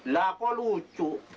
lah kok lucu